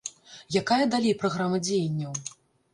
Якая далей праграма дзеянняў?